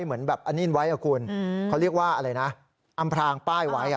เหมือนแบบอันนี้ไว้อ่ะคุณเขาเรียกว่าอะไรนะอำพรางป้ายไว้